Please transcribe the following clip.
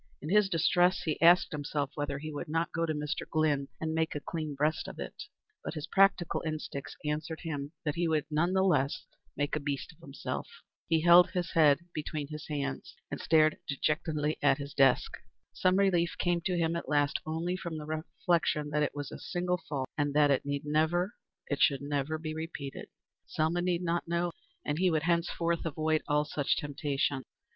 In his distress he asked himself whether he would not go to Mr. Glynn and make a clean breast of it; but his practical instincts answered him that he would none the less have made a beast of himself. He held his head between his hands, and stared dejectedly at his desk. Some relief came to him at last only from the reflection that it was a single fault, and that it need never it should never be repeated. Selma need not know, and he would henceforth avoid all such temptations.